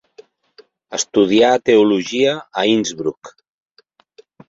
Estudià Teologia a Innsbruck.